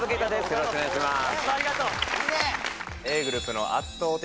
よろしくお願いします